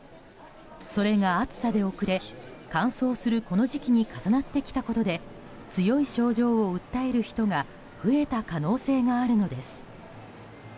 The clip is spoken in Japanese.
それが暑さで遅れ、乾燥するこの時期に重なってきたことで強い症状を訴える人が増えた可能性があるのです。